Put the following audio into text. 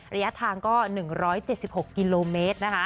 ระยะทางก็๑๗๖กิโลเมตรนะคะ